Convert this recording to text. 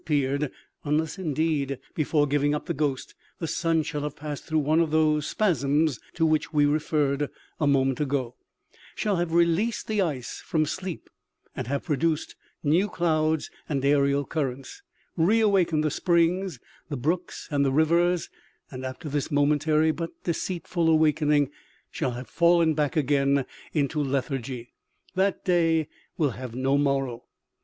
peared, unless indeed, before giving up the ghost, the sun shall have passed through one of those spasms to which we referred a moment ago, shall have released the ice from sleep and have produced new clouds and aerial currents, re awakened the springs, the brooks and the rivers, and after this momentary but deceitful awakening, shall have fallen back again into lethargy. That day will have no morrow."